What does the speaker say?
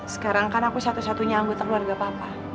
sekarang kan aku satu satunya anggota keluarga papa